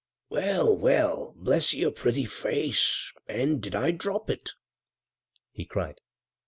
"Well, well, bless your pretty face, and did I drop it ?" he cried.